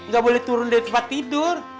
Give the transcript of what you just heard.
gak boleh turun dari tempat tidur